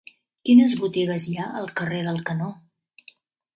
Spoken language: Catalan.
Quines botigues hi ha al carrer del Canó?